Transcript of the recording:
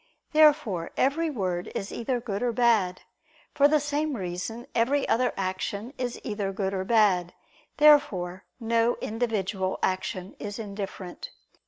Therefore every word is either good or bad. For the same reason every other action is either good or bad. Therefore no individual action is indifferent.